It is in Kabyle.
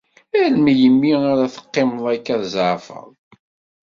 Ar melmi ara teqqimeḍ akka tzeɛfeḍ?